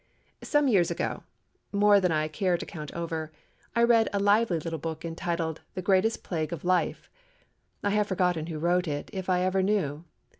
SOME years ago—more than I care to count over—I read a lively little book entitled, "The Greatest Plague of Life." I have forgotten who wrote it, if I ever knew.